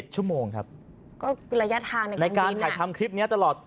๑๑ชั่วโมง